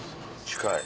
近い。